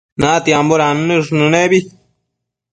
natiambo dannësh nënebi